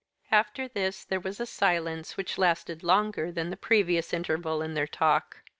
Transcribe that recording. After this there was a silence which lasted longer than the previous interval in their talk.